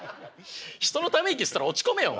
人のため息吸ったら落ち込めよ。